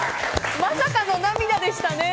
まさかの涙でしたね。